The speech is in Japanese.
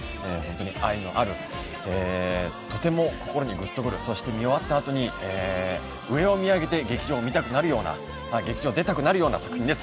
愛のある、とても心にグッとくる、そして見終わったあとに上を見上げて劇場を出たくなるような作品です。